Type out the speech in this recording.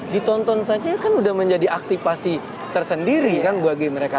ditonton saja kan sudah menjadi aktifasi tersendiri kan bagi mereka